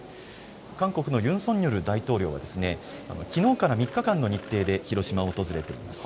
韓国のユン・ソンニョル大統領はきのうから３日間の日程で広島を訪れています。